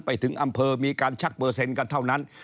ไปถึงอำเภอมีการชักเปอร์เซ็นต์กันเท่านั้น